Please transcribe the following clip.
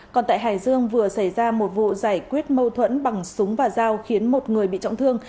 còn tại hải dương vừa xảy ra một vụ giải quyết mâu thuẫn bằng súng và dao khiến một người bị trọng thương